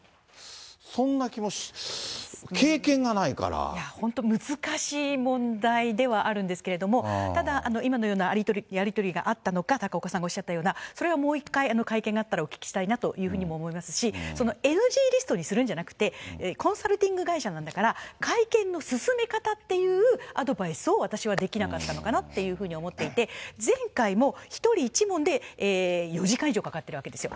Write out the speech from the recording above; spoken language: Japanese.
そんな気も、いや、本当難しい問題ではあるんですけども、ただ、今のようなやり取りがあったのか、高岡さんがおっしゃったような、それはもう１回会見があったらお聞きしたいなというふうにもおっしゃいますし、ＮＧリストにするんじゃなくて、コンサルティング会社なんだから、会見の進め方っていうアドバイスを私はできなかったのかなっていうふうに思っていて、前回も、１人１問で４時間以上、かかっているわけですよ。